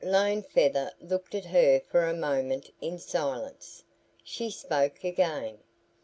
Lone Feather looked at her for a moment in silence. She spoke again.